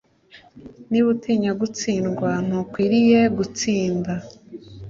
Niba utinya gutsindwa ntukwiriye gutsinda!”